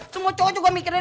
semua cowok juga mikirin